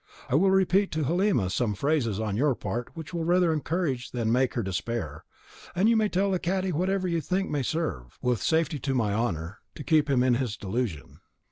I will repeat to Halima some phrases on your part which will rather encourage than make her despair; and you may tell the cadi whatever you think may serve, with safety to my honour, to keep him in his delusion.